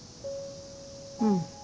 うん。